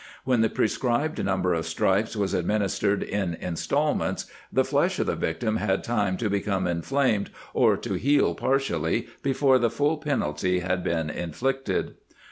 When the prescribed num ber of stripes was administered in instalments, the flesh of the victim had time to become inflamed or to heal partially before the full penalty had been inflicted.